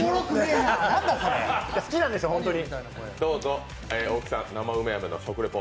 好きなんですよ、ホントに。